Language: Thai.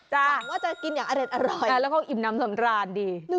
หวังว่าจะกินอย่างอร่อยแล้วก็อิ่มน้ำสำราญดี